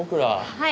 はい！